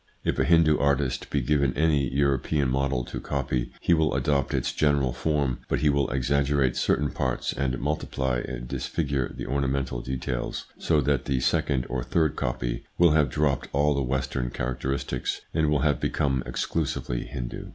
If a Hindu artist be given any European model to copy, he will adopt its general form, but he will exaggerate certain parts, and multiply and disfigure the ornamental details, so that the second or third copy will have dropped all the Western characteristics and will have become exclusively Hindu.